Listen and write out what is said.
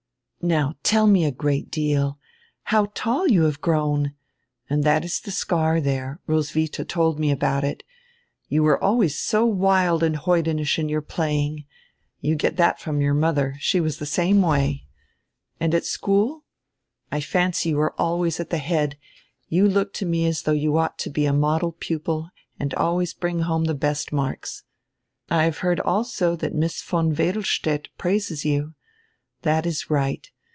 "Now tell me a great deal. How tall you have grown! And that is die scar die re. Roswitha told me ahout it. You were always so wild and hoidenish in your playing. You get diat from your modier. She was die same way. And at school? I fancy you are always at die head, you look to me as though you ought to he a model pupil and always hring home die hest marks. I have heard also diat Miss von Wedelstadt praises you. That is right.